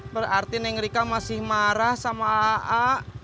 berarti neng rika masih marah sama aa